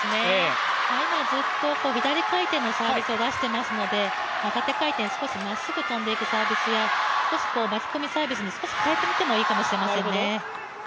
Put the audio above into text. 今ずっと左回転のサービスを出していますので縦回転、少しまっすぐ飛んでいくサービスや少し巻き込みサービスに変えてみてもいいかもしれませんね。